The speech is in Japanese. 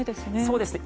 そうですね。